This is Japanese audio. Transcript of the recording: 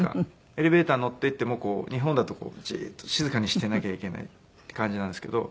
エレベーターに乗っていても日本だとジーッと静かにしてなきゃいけないっていう感じなんですけど。